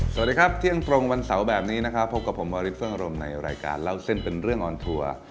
สวัสดีครับเที่ยงตรงวันเสาร์แบบนี้นะครับพบกับผมวาริสเฟิ่งอารมณ์ในรายการเล่าเส้นเป็นเรื่องออนทัวร์